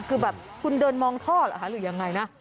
คือแบบคุณเดินมองท่อเหรอคะหรือยังไงนะ